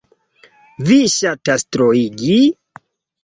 Vi ŝatas troigi!